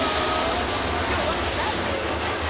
きょうはラグビー！